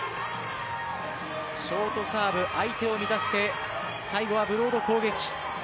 ショートサーブ、相手を目指して最後はブロード攻撃。